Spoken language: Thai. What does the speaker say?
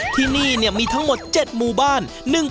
ที่นี่มีทั้งหมด๗หมู่บ้าน